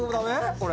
これ。